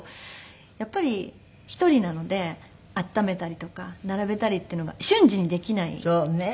やっぱり１人なので温めたりとか並べたりっていうのが瞬時にできないから。